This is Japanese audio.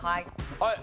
はい。